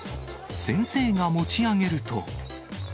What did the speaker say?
先生が持ち上げると。